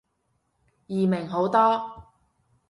易明好多